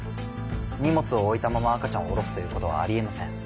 荷物を置いたまま赤ちゃんを降ろすということはありえません。